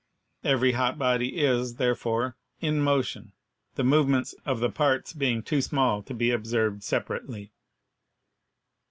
Every hot body is, therefore, in mo tion, the movements of the parts being too small to be observed separately."